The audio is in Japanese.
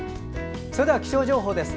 それでは気象情報です。